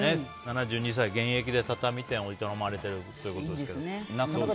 ７２歳現役で畳店を営まれているということですけど。